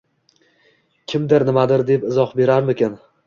Kimdir nimadir deb izoh berarmikin?